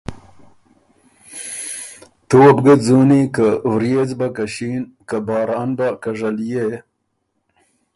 تُو وه بو ګه ځُوني که ورئېځ بۀ که ݭین، که باران بۀ که ژلئے۔